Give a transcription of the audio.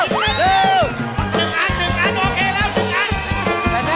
ถึงกันถึงกันโอเคแล้วถึงกัน